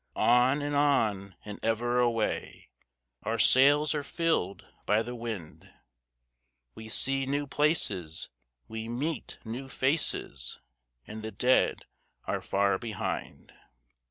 On and on, and ever away, Our sails are filled by the wind; We see new places, we meet new faces, And the dead are far behind.